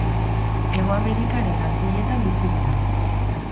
Hego Amerikan eta Antilletan bizi dira.